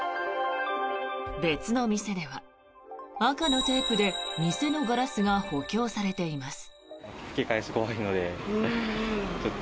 別の店では赤のテープで店のガラスが補強されています。